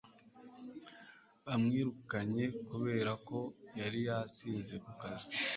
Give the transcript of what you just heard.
Bamwirukanye kubera ko yari yasinze ku kazi